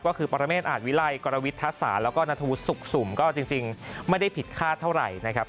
ก็คือปรเมตอาทวิไรกรวรรณวิทย์ทัศน์แล้วก็นัทวุฒิสุมก็จริงไม่ได้ผิดค่าเท่าไหร่นะครับ